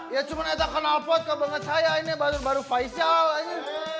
ya cuma ada kenal pot kebangga saya ini baru baru faisal ini